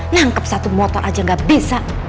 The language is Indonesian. nangkep satu motor aja gak bisa